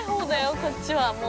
こっちはもう。